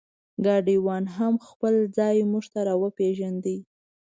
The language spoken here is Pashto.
ګاډیوان هم خپل ځان مونږ ته را وپېژنده.